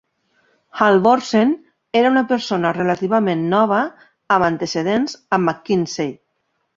Halvorsen era una persona relativament nova amb antecedents a McKinsey.